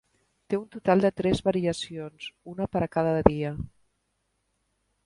Té un total de tres variacions, una per a cada dia.